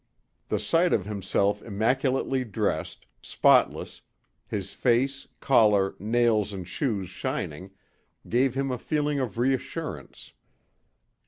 The sight of himself immaculately dressed, spotless, his face, collar, nails and shoes shining, gave him a feeling of reassurance.